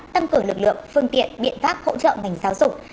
tăng cường lực lượng phương tiện biện pháp hỗ trợ ngành giáo dục